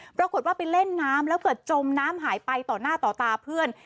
ปรากฏว่าไปเล่นน้ำแล้วเกิดจมน้ำหายไปต่อหน้าต่อตาเพื่อน